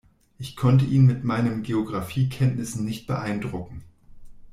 Ich konnte ihn mit meinen Geografiekenntnissen nicht beeindrucken.